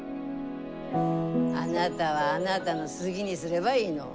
あなたはあなたの好ぎにすればいいの。